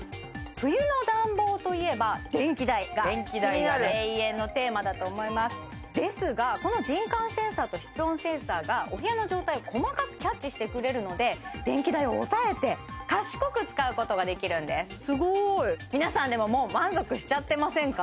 冬の暖房といえば電気代が気になる永遠のテーマだと思いますですがこの人感センサーと室温センサーがお部屋の状態を細かくキャッチしてくれるので電気代を抑えて賢く使うことができるんですすごい皆さんでももう満足しちゃってませんか？